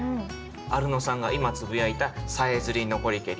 アルノさんが今つぶやいた「さえずり残りけり」